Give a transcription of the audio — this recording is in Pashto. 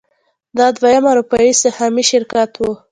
دا دویم اروپايي سهامي شرکت و.